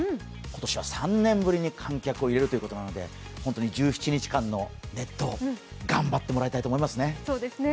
今年は３年ぶりに観客を入れるということなので本当に１７日間の熱闘、頑張ってもらいたいと思いますね。